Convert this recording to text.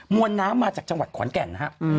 วนน้ำมาจากจังหวัดขอนแก่นนะครับ